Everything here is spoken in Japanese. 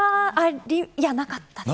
いや、なかったです。